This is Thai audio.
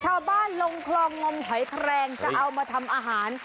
ชาวบ้านลงคลองงมหอยแครงจะเอามาทำอาหาร